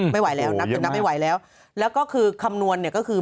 ไม่ไหวแล้วนับไม่ไหวแล้วแล้วก็คือคำนวณก็คือ